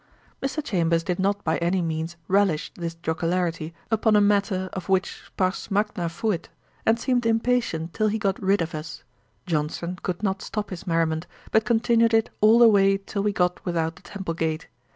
Mr. Chambers did not by any means relish this jocularity upon a matter of which pars magna fuit, and seemed impatient till he got rid of us. Johnson could not stop his merriment, but continued it all the way till we got without the Temple gate.